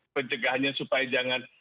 pencegahnya supaya jangan